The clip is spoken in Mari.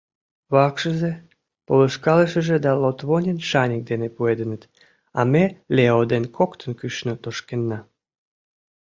Вакшызе, полышкалышыже да Лотвонен шаньык дене пуэденыт, а ме Лео ден коктын кӱшнӧ тошкенна.